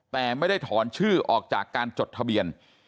แต่ไม่ได้ถอนชื่อออกจากการจดทะเบียน